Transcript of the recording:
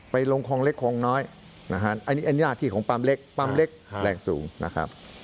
ลงคลองเล็กคลองน้อยนะฮะอันนี้หน้าที่ของปั๊มเล็กปั๊มเล็กแรงสูงนะครับ